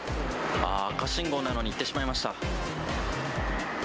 あー、赤信号なのに行ってしまいました。